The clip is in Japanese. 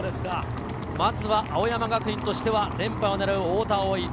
まずは青山学院として連覇をねらう太田蒼生。